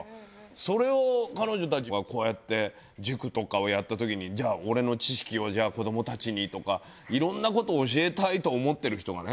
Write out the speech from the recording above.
それを彼女たちがこうやって塾とかをやったときにじゃあ俺の知識をじゃあ子どもたちにとかいろんなこと教えたいと思ってる人がね